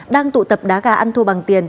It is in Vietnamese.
đang tụ tập đá gà ăn thu bằng tiền